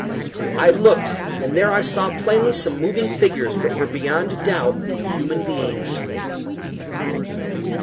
I looked, and there I saw plainly some moving figures that were, beyond a doubt, human beings.